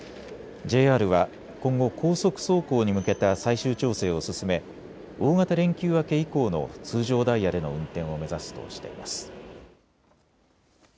ＪＲは今後、高速走行に向けた最終調整を進め大型連休明け以降の通常ダイヤでの運転を目指すとしています。